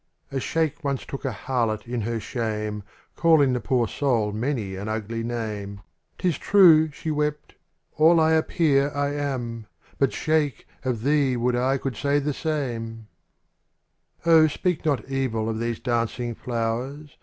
SHEIK once took a harlot in her shame. Calling the poor soul many an ugly name; '* Tis true, '' she wept, *' all I appear I am; But, sheik, of thee would I could say the samel ''^^^ SPEAK not evil of these dancing i^^ flowers.